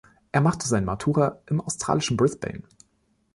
Er machte sein Matura im australischen Brisbane.